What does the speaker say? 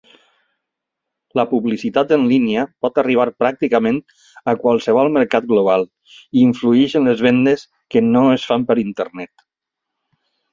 La publicitat en línia pot arribar pràcticament a qualsevol mercat global, i influeix en les vendes que no es fan per Internet.